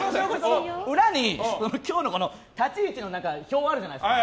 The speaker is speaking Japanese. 裏に今日の立ち位置があるじゃないですか。